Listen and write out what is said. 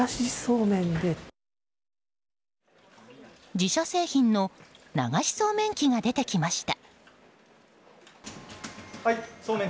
自社製品の流しそうめん器が出てきました。